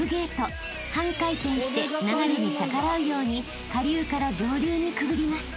半回転して流れに逆らうように下流から上流にくぐります］